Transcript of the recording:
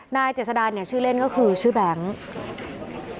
นายเจษดาเนี่ยชื่อเล่นก็คือชื่อแบงค์